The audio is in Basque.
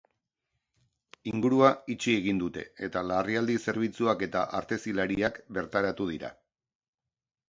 Ingurua itxi egin dute, eta larrialdi zerbitzuak eta artezilariak bertaratu dira.